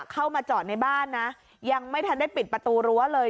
เข้ามาจอดในบ้านนะยังไม่ทันได้ปิดประตูรั้วเลย